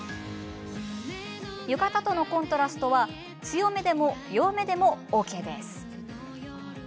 浴衣とのコントラストは強めでも弱めでもＯＫ。